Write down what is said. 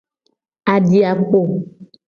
Adi a po.